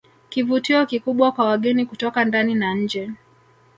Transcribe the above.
Kivutio kikubwa kwa wageni kutoka ndani na nje